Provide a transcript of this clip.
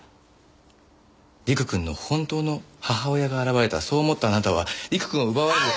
陸くんの本当の母親が現れたそう思ったあなたは陸くんを奪われる。